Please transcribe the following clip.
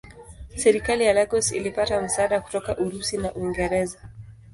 Serikali ya Lagos ilipata msaada kutoka Urusi na Uingereza.